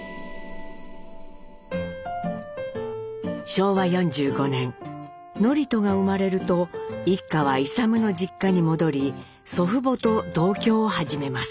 昭和４５年智人が生まれると一家は勇の実家に戻り祖父母と同居を始めます。